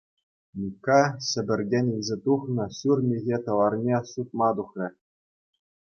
Микка Ҫӗпӗртен илсе тухнӑ ҫур михӗ тӑварне сутма тухрӗ.